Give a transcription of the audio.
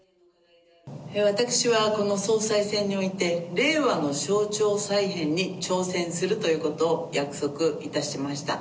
私はこの総裁選において、令和の省庁再編に挑戦するということを約束いたしました。